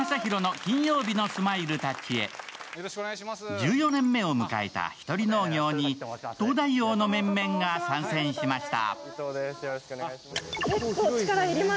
１４年目を迎えたひとり農業に「東大王」の面々が参戦しました。